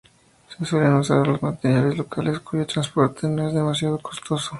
Se suelen usar los materiales locales, cuyo transporte no es demasiado costoso.